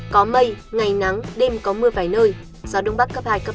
có mây ngày nắng đêm có mưa vài nơi gió đông bắc cấp hai cấp năm